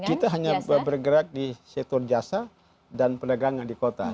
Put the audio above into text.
kita hanya bergerak di sektor jasa dan perdagangan di kota